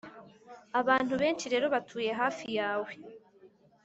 abantu benshi rero batuye hafi yawe,